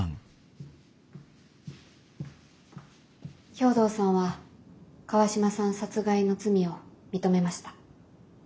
兵藤さんは川島さん殺害の罪を認めました。